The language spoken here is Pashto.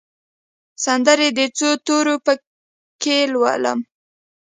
سندرې د څو تورو پکښې لولم